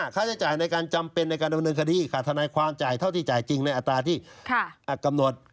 ค่าใช้จ่ายในการจำเป็นในการดำเนินคดีค่ะทนายความจ่ายเท่าที่จ่ายจริงในอัตราที่กำหนด